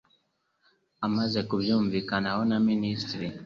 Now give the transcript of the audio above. Amaze kubyumvikanaho na Minisitiri